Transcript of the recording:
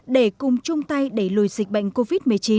để cùng chung tay đẩy lùi dịch bệnh covid một mươi chín